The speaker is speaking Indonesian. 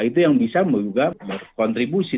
itu yang bisa juga berkontribusi